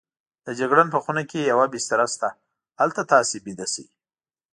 د جګړن په خونه کې یوه بستره شته، هلته تاسې ویده شئ.